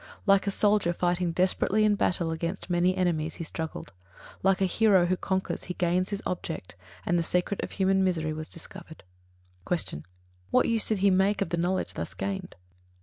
Like a soldier fighting desperately in battle against many enemies, he struggled: like a hero who conquers, he gained his object, and the secret of human misery was discovered. 66. Q. _What use did he make of the knowledge thus gained?